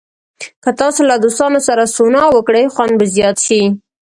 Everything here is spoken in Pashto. که تاسو له دوستانو سره سونا وکړئ، خوند به زیات شي.